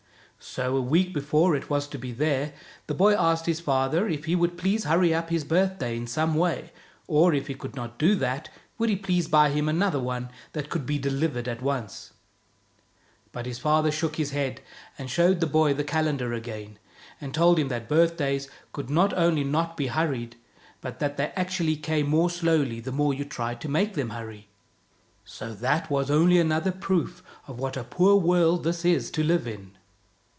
So a week before it was to be there', the boy asked his father if he would please hurry up his birthday in some way, or, if he could not do that, would he please buy him another one that could be delivered at once. But his father shook his head, and showed the boy the calendar again, and told him that birthdays could not only not be hurried, but that they actually came more slowly the more you tried to make them hurry. So that was only another proof of what a poor world this is to live in.